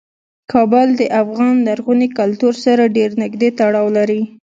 کابل د افغان لرغوني کلتور سره ډیر نږدې تړاو لري.